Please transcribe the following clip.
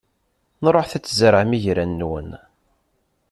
Ṛuḥet ad tzerɛem igran-nwen.